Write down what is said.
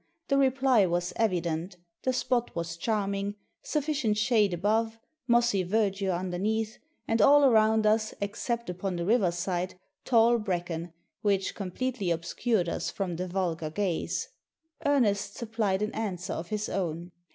The reply was evident The spot was charming. Suffi cient shade above, mossy verdure underneath, and all around us, except upon the river side, tall bracken, which completely obscured us from the vulgar gaze. Ernest supplied an answer of his own.